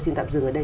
xin tạm dừng ở đây